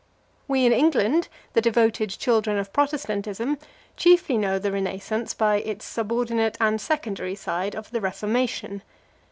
We in England, the devoted children of Protestantism, chiefly know the Renascence by its subordinate and secondary side of the Reformation.